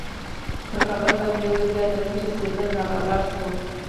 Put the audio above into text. پر کابل باندې یو ځل بیا د ګټې سیزن را برابر شوی.